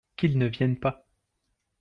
Qu'il ne vienne pas